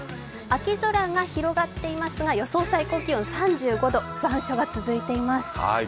秋空が広がっていますが予想最高気温３５度、残暑が続いています。